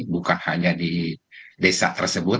bukan hanya di desa tersebut